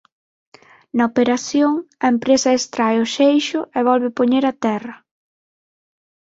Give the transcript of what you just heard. Na operación, a empresa extrae o seixo e volve poñer a terra.